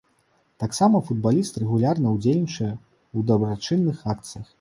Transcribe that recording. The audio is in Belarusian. Таксама футбаліст рэгулярна ўдзельнічае ў дабрачынных акцыях.